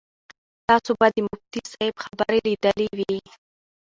تاسو به د مفتي صاحب خبرې لیدلې وي.